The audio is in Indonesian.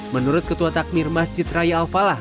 menurut ketua takmir masjid raya al falah